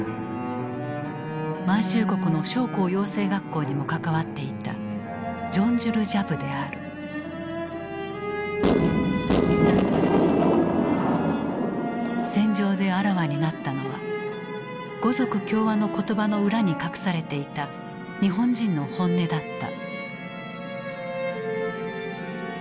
満州国の将校養成学校にも関わっていた戦場であらわになったのは「五族協和」の言葉の裏に隠されていた日本人の本音だった。